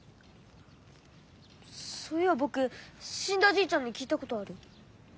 そういやぼくしんだじいちゃんに聞いたことある。